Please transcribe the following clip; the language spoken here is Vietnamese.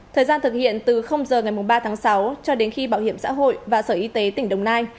thời gian thực hiện từ giờ ngày ba tháng sáu cho đến khi bảo hiểm xã hội và sở y tế tỉnh đồng nai